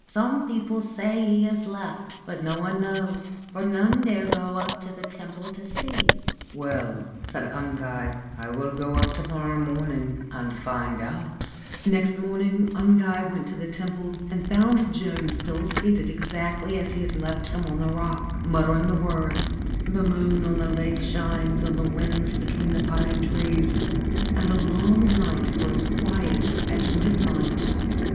Some people say he has left ; but no one knows, for none dare go up to the temple to see/ 4 Well/ said Ungai, c I will go up to morrow morning and find out/ Next morning Ungai went to the temple, and found Joan still seated exactly as he had left him on the rock muttering the words : c The moon on the lake shines on the winds between the fine trees, and a long night grows quiet at midnight